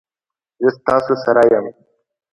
زه ستاسو سره یم